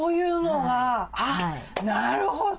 あなるほど。